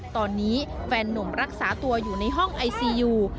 ตอนนี้แฟนนุ่มรักษาตัวอยู่ในห้องไอซียู